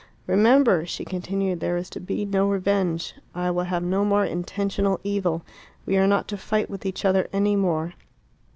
"Remember," she continued, "there is to be no revenge. I will have no more intentional evil. We are not to fight with each other any more."